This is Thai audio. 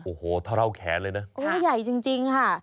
โอ้โหถ้าเท่าแขนเลยนะโอ้ใหญ่จริงค่ะ